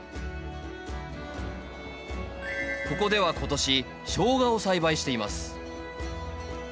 ここでは今年ショウガを栽培しています。